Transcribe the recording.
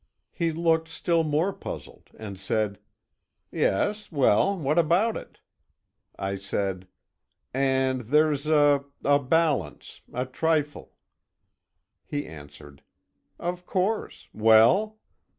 He looked still more puzzled, and said: "Yes, well, what about it?" I said: "And there's a a balance a trifle." He answered: "Of course well?"